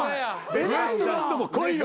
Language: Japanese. ウエストランドも来いよ